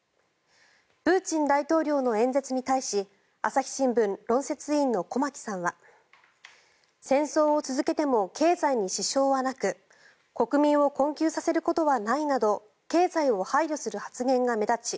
プーチン大統領の演説に対し朝日新聞論説委員の駒木さんは戦争を続けても経済に支障はなく国民を困窮させることはないなど経済を配慮する発言が目立ち